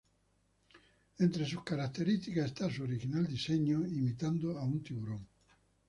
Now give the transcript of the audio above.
Entre sus características está su original diseño, imitando a un tiburón.